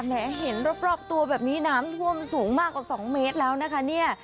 เห็นรอบตัวแบบนี้น้ำท่วมสูงมากกว่า๒เมตรแล้วนะคะเนี่ย